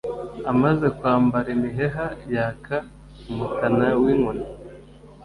Amaze kwambara imiheha Yaka umutana w' inkoni